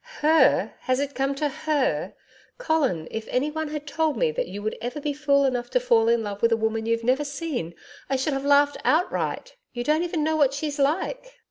'HER! Has it come to HER! Colin, if anyone had told me that you would ever be fool enough to fall in love with a woman you've never seen, I should have laughed outright. You don't even know what she's like.'